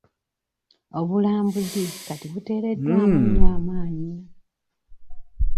Obulambuzi kati buteereddwamu nnyo amaanyi.